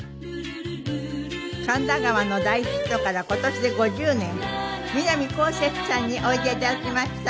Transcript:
『神田川』の大ヒットから今年で５０年南こうせつさんにおいで頂きました。